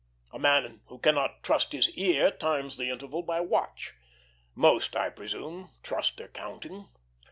A man who cannot trust his ear times the interval by watch; most, I presume, trust their counting.